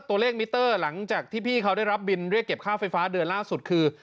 มิเตอร์หลังจากที่พี่เขาได้รับบินเรียกเก็บค่าไฟฟ้าเดือนล่าสุดคือ